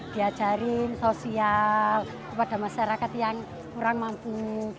diajarin sosial kepada masyarakat yang kurang mampu